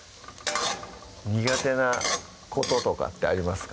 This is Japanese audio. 苦手なこととかってありますか？